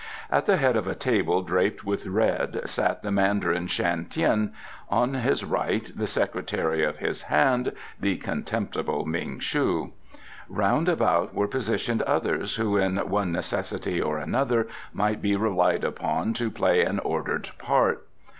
At the head of a table draped with red sat the Mandarin Shan Tien, on his right the secretary of his hand, the contemptible Ming shu. Round about were positioned others who in one necessity or another might be relied upon to play an ordered part.